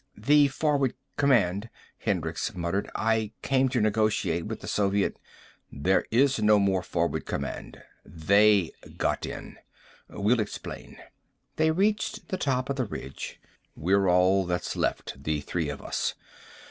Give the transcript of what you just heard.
"The forward command," Hendricks muttered. "I came to negotiate with the Soviet " "There is no more forward command. They got in. We'll explain." They reached the top of the ridge. "We're all that's left. The three of us.